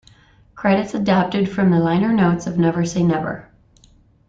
Credits adapted from the liner notes of "Never Say Never".